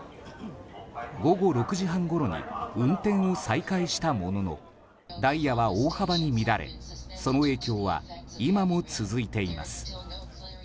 午後６時半ごろに運転を再開したもののダイヤは大幅に乱れその影響は、今も続いています。